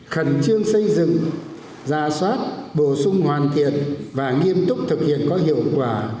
khẩn trương xây dựng ra soát bổ sung hoàn thiện và nghiêm túc thực hiện có hiệu quả